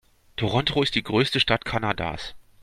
Toronto ist die größte Stadt Kanadas.